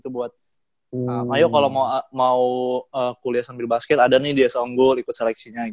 buat ayo kalau mau kuliah sambil basket ada nih dia songgul ikut seleksinya